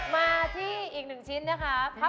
มาที่อีกหนึ่งชิ้นนะคะ